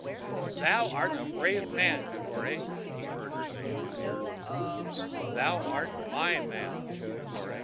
"Thou art a brave man, Negore," he heard her say in his ear; "thou art my man, Negore."